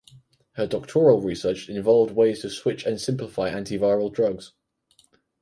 Her doctoral research involved ways to switch and simplify antiviral drugs.